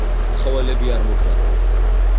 ცხოველები არ მოკლათ